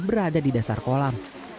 berada di dasar kolam